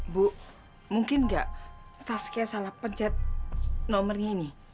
bu mungkin gak saskia salah pencet nomernya ini